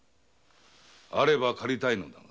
あれば借りたいのだが。